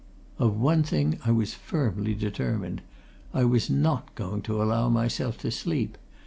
Of one thing I was firmly determined I was not going to allow myself to sleep.